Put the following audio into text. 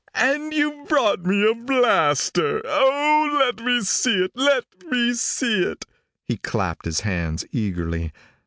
"And you brought me a blaster. Oh, let me see it! Let me see it!" He clapped his hands eagerly.